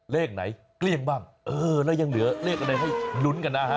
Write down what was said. เลขไหนเกลี้ยงบ้างเออแล้วยังเหลือเลขอะไรให้ลุ้นกันนะฮะ